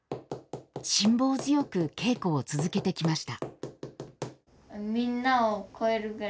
辛抱強く稽古を続けてきました。